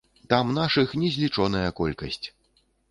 Там нашых незлічоная колькасць.